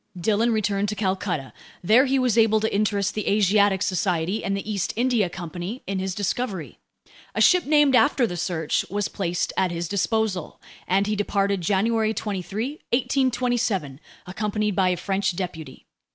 Dillon returned to Calcutta. There he was able to interest the Asiatic Society and the East India Company in his discovery. A ship named after the Search was placed at his disposal, and he departed on January 23, 1827, accompanied by a French deputy.